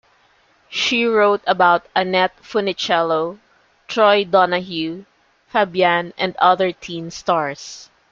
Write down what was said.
She wrote about Annette Funicello, Troy Donahue, Fabian, and other teen stars.